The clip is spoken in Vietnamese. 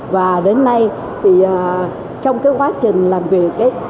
và đến nay thì trong cái quá trình làm việc